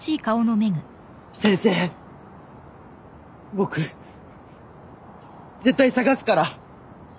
僕絶対捜すから。